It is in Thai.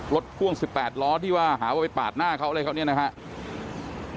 พ่วง๑๘ล้อที่ว่าหาว่าไปปาดหน้าเขาอะไรเขาเนี่ยนะครับ